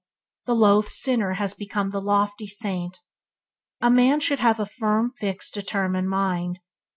The loathed sinner has become the lofty saint! A man should have a firm, fixed, determined mind.